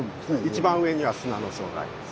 一番上には砂の層があります。